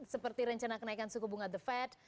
seperti rencana kenaikan suku bunga the fed